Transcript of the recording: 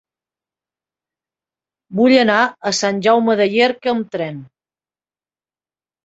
Vull anar a Sant Jaume de Llierca amb tren.